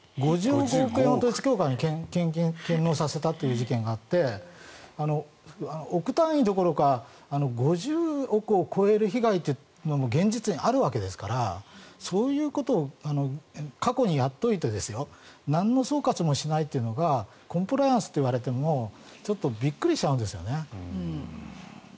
５５億円を統一教会に献納させたという事件があって億単位どころか５０億を超える被害って現実にあるわけですからそういうことを過去にやっておいてなんの総括もしないというのがコンプライアンスといわれてもびっくりしちゃうんですよね。